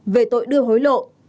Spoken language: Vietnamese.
về tội đưa hối lộ